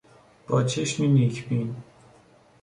با چشمی نیک بین